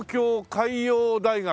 海洋大学